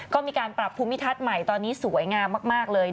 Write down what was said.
ก็มีการปรับภูมิทัศน์ใหม่ตอนนี้สวยงามมากเลย